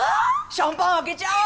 シャンパン開けちゃう？